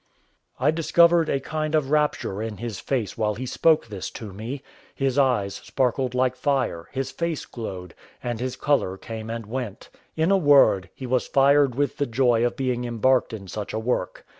I discovered a kind of rapture in his face while he spoke this to me; his eyes sparkled like fire; his face glowed, and his colour came and went; in a word, he was fired with the joy of being embarked in such a work.